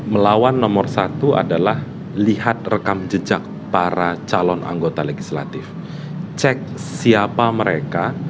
melawan nomor satu adalah lihat rekam jejak para calon anggota legislatif cek siapa mereka